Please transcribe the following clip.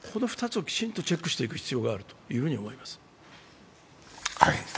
この２つをきちんとチェックしていく必要があるかと思います。